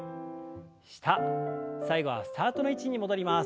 下最後はスタートの位置に戻ります。